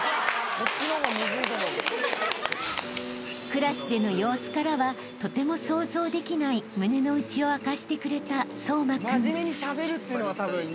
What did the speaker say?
［クラスでの様子からはとても想像できない胸の内を明かしてくれた颯真君］